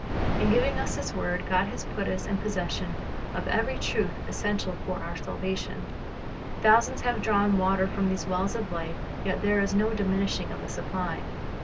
In giving us His word, God has put us in possession of every truth essential for our salvation. Thousands have drawn water from these wells of life, yet there is no diminishing of the supply.